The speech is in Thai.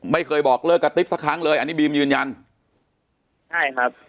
ไม่เคยบอกเลิกกระติ๊บสักครั้งเลยอันนี้บีมยืนยันใช่ครับ